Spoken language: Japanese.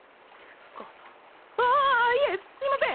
ああっいえすいません！